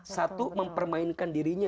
satu mempermainkan dirinya